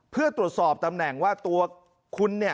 เพื่อตรวจสอบตำแหน่งว่าตัวคุณเนี่ย